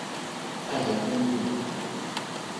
Falleció en Hamburgo.